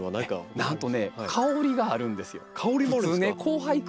なんとね香りがあるんですよ。